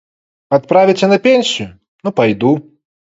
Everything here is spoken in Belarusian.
Адправіце на пенсію, ну пайду.